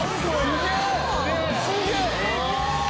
すげえ！